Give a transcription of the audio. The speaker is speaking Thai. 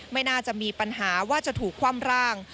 ไม่น่าจะมีปัญหาว่าจะถูกคว่ำร่าง